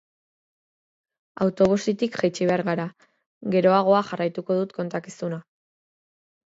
Autobusetik jaitsi behar gara, geroagoa jarraituko dut kontakizuna!